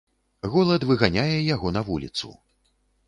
Голад выганяе яго на вуліцу.